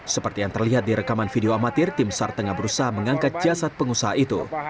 seperti yang terlihat di rekaman video amatir tim sar tengah berusaha mengangkat jasad pengusaha itu